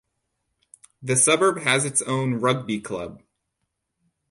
The suburb has its own rugby club.